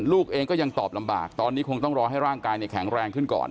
ลูกเองก็ยังตอบลำบากตอนนี้คงต้องรอให้ร่างกายแข็งแรงขึ้นก่อน